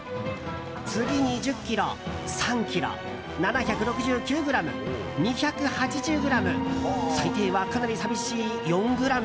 次に１０ｋｇ、３ｋｇ７６９ｇ、２８０ｇ最低は、かなり寂しい４ｇ。